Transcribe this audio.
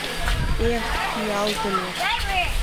Э-эх, пиалдыме.